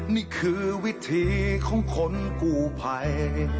นี่คือวิธีของคนกู้ภัย